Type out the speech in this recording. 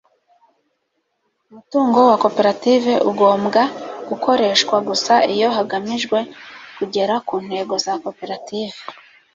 umutungo wa koperative ugombwa gukoreshwa gusa iyo hagamijwe kugera ku ntego za koperative